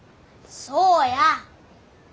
そうや！